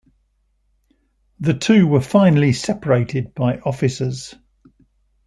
The two were finally separated by officers.